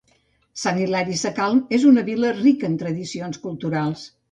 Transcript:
Sant Hilari Sacalm és una vila rica en tradicions culturals.